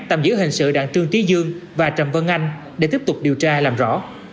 tạm giữ hình sự đạn trương trí dương và trầm vân anh để tiếp tục điều tra làm rõ